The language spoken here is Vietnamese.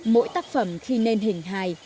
mỗi tác phẩm khi nên hình hài